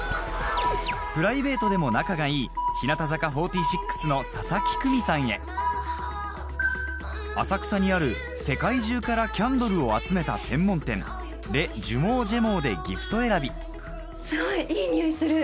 プライベートでも仲がいい日向坂４６の佐々木久美さんへ浅草にある世界中からキャンドルを集めた専門店「ＬｅｓＪＵＭＥＡＵＸＧＥＭＥＡＵＸ」でギフト選びすごい！いい匂いする！